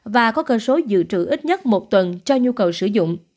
và có cơn số dự trữ ít nhất một tuần cho nhu cầu sử dụng